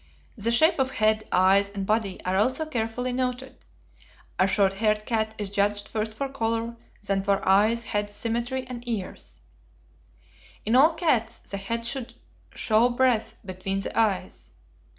The shape of head, eyes, and body are also carefully noted. A short haired cat is judged first for color, then for eyes, head, symmetry, and ears. In all cats the head should show breadth between the eyes.